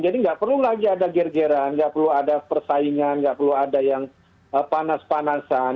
jadi tidak perlu lagi ada gergeran tidak perlu ada persaingan tidak perlu ada yang panas panasan